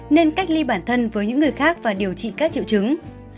nên cách ly bản thân với những người khác và điều trị các triệu chứng